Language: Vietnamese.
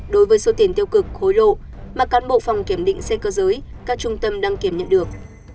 đối với số tiền tiêu cực khối lộ mà cán bộ phòng kiểm định xe cơ giới các trung tâm đăng kiểm nhận được